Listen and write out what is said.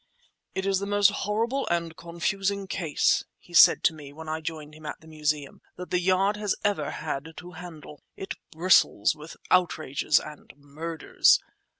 "It's the most horrible and confusing case," he said to me when I joined him at the Museum, "that the Yard has ever had to handle. It bristles with outrages and murders.